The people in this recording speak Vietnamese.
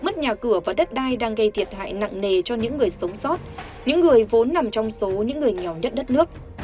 mất nhà cửa và đất đai đang gây thiệt hại nặng nề cho những người sống sót những người vốn nằm trong số những người nghèo nhất đất nước